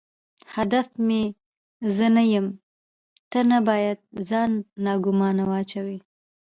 هدف مې زه نه یم، ته نه باید ځان ناګومانه واچوې.